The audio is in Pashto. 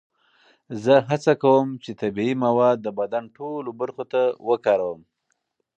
زه هڅه کوم چې طبیعي مواد د بدن ټولو برخو ته وکاروم.